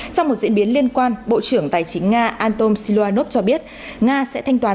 trong một diễn biến liên quan bộ trưởng tài chính nga anton siluanov cho biết nga sẽ thanh toán